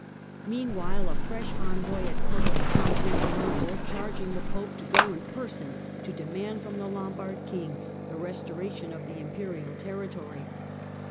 Meanwhile a fresh envoy had come from Constanti Pippin and 3ple, charging the Pope to go in person to demand om the Lombard king the restoration of the Imperial srritory.